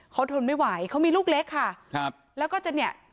เขาทนไม่ไหวเขามีลูกเล็กค่ะครับแล้วก็จะเนี่ย